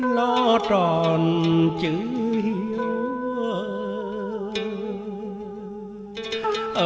lo tròn chữ hiếu